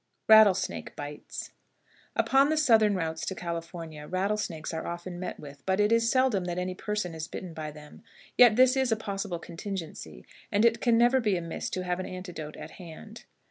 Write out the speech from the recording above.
RATTLESNAKE BITES. Upon the southern routes to California rattlesnakes are often met with, but it is seldom that any person is bitten by them; yet this is a possible contingency, and it can never be amiss to have an antidote at hand.